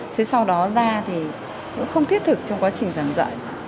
thế sau đó ra thì nó không thiết thực trong quá trình giảng dạy